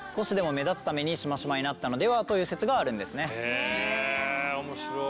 へえ面白。